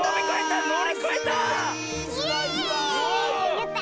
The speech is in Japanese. やった！